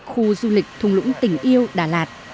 khu du lịch thùng lũng tỉnh yêu đà lạt